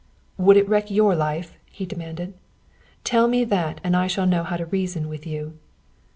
"Would it wreck your life?" he demanded. "Tell me that and I shall know how to reason with you."